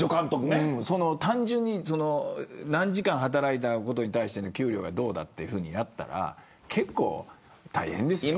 単純に何時間働いたことに対しての給料がどうだというふうな感じだったら結構、大変ですよ。